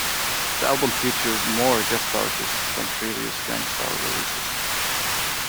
The album features more guest artists than previous Gang Starr releases.